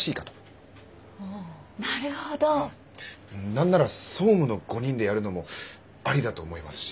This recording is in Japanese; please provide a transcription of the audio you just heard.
何なら総務の５人でやるのもありだと思いますし。